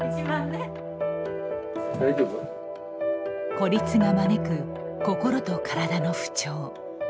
孤立が招く、心と体の不調。